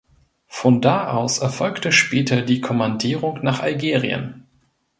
Von da aus erfolgte später die Kommandierung nach Algerien.